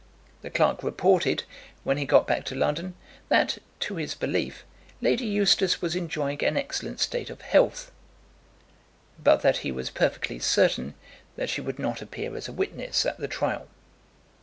The clerk reported, when he got back to London, that, to his belief, Lady Eustace was enjoying an excellent state of health; but that he was perfectly certain that she would not appear as a witness at the trial.